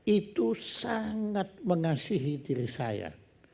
itu sangat mengasihi diri saya